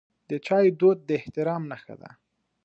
د چای دود د احترام نښه ده.